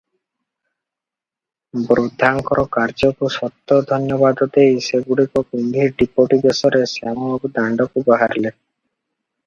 ବୃଦ୍ଧାଙ୍କର କାର୍ଯ୍ୟକୁ ଶତ ଧନ୍ୟବାଦ ଦେଇ ସେଗୁଡ଼ିକ ପିନ୍ଧି ଡିପୋଟି ବେଶରେ ଶ୍ୟାମବାବୁ ଦାଣ୍ଡକୁ ବାହାରିଲେ ।